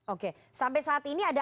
oke sampai saat ini ada